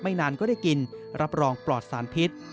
นานก็ได้กินรับรองปลอดสารพิษ